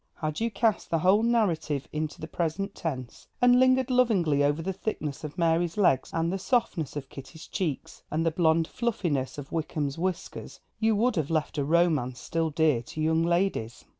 Had you cast the whole narrative into the present tense, and lingered lovingly over the thickness of Mary's legs and the softness of Kitty's cheeks, and the blonde fluffiness of Wickham's whiskers, you would have left a romance still dear to young ladies.